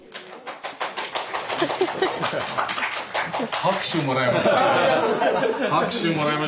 拍手もらいましたねぇ。